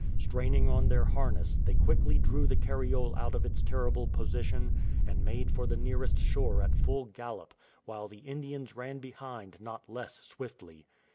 Straining on their harness, they quickly drew the cariole out of its terrible position, and made for the nearest shore at full gallop, while the Indians ran behind not less swiftly.